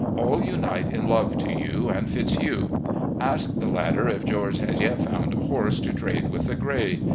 AU unite in love to you and Fitzhugh. Ask the latter if Greorge has yet found a horse to trade with the gray.